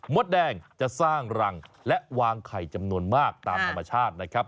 ดแดงจะสร้างรังและวางไข่จำนวนมากตามธรรมชาตินะครับ